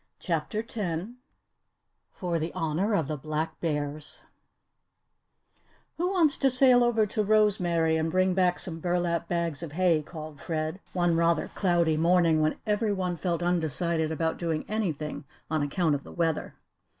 CHAPTER TEN FOR THE HONOUR OF THE BLACK BEARS "Who wants to sail over to Rosemary and bring back some burlap bags of hay?" called Fred, one rather cloudy morning when every one felt undecided about doing anything on account of the weather.